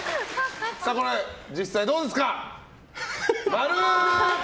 これ、実際どうですか？